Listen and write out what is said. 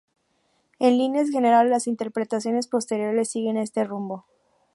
En líneas generales las interpretaciones posteriores siguen este rumbo.